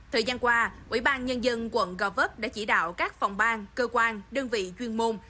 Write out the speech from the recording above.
thời gian qua ủy ban nhân dân quận gò vấp đã chỉ đạo các phòng ban cơ quan đơn vị chuyên môn